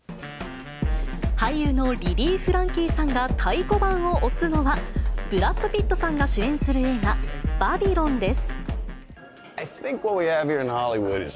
俳優のリリー・フランキーさんが太鼓判を押すのは、ブラッド・ピットさんが主演する映画、バビロンです。